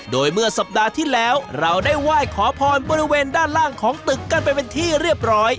โดยเมื่อสัปดาห์ที่แล้วเราได้ไหว้ขอพรบริเวณด้านล่างของตึกกันไปเป็นที่เรียบร้อย